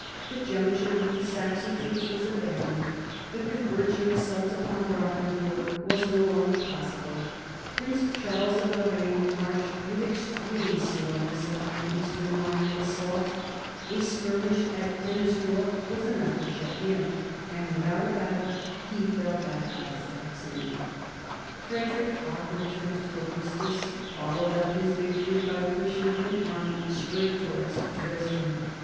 The junction with the Saxon troops was abandoned; the converging assault upon Brandenburg was no longer possible ; Prince Charles of Lorraine marched with extreme slowness upon the eastern line of assault ; a skirmish at Henersdorf was enough to check him, and without a battle he fell back out of Saxony. Frederick, offering terms to Augustus, followed up his victory by pushing an army straight towards Dresden.